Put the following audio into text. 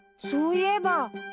そういえば。